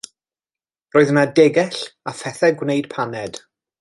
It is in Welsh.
Roedd yno degell a phethau gwneud paned.